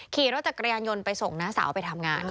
ขี่รถจักรยานยนต์ไปส่งน้าสาวไปทำงาน